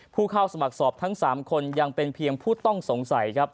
ผู้เข้าสมัครสอบทั้ง๓คนยังเป็นเพียงผู้ต้องสงสัยครับ